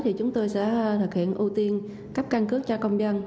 thì chúng tôi sẽ thực hiện ưu tiên cấp căn cước cho công dân